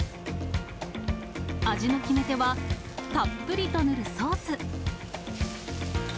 味の決め手は、たっぷりと塗るソース。